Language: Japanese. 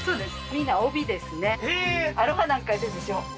みんな帯ですねへえーアロハなんかもいいでしょ？